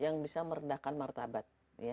yang bisa merendahkan martabat